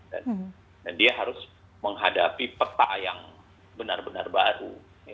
dan dia harus menghadapi peta yang benar benar baru